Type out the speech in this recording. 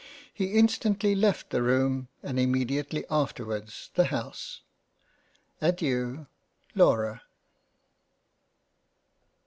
He instantly left the Room and immediately afterwards the House. Adeiu. Laura.